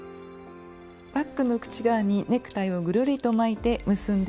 バッグの口側にネクタイをぐるりと巻いて結んでいます。